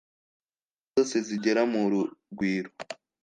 ntabwo zose zigera mu Urugwiro